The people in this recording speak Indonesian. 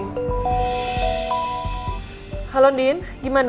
nah waaras sih abang